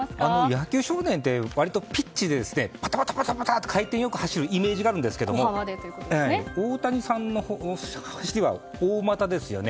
野球少年って割とピッチでバタバタと回転よく走るイメージがあるんですけれども大谷さんの走りは大股ですよね。